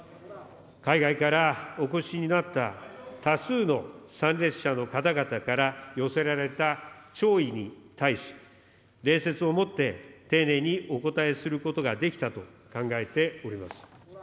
海外からお越しになった多数の参列者の方々から寄せられた弔意に対し、礼節をもって丁寧にお応えすることができたと考えております。